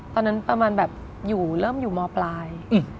ตอนนั้นประมาณแบบอยู่เริ่มอยู่มปลาย